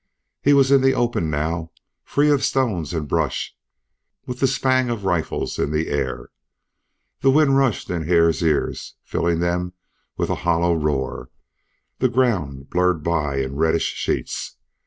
He was in the open now, free of stones and brush, with the spang of rifles in the air. The wind rushed into Hare's ears, filling them with a hollow roar; the ground blurred by in reddish sheets.